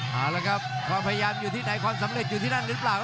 เอาละครับความพยายามอยู่ที่ไหนความสำเร็จอยู่ที่นั่นหรือเปล่า